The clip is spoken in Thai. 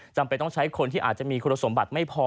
จำเป็นต้องใช้คนที่อาจจะมีคุณสมบัติไม่พอ